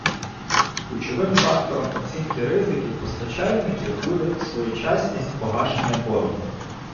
Ключовим фактором оцінки ризиків позичальників буде своєчасність погашення боргу.